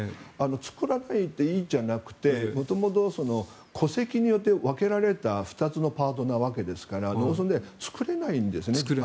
作らないでいいじゃなくて元々、戸籍によって分けられた２つのパートなわけですから農村で作れないんですね。